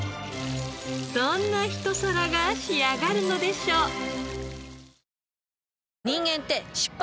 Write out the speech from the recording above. どんなひと皿が仕上がるのでしょう？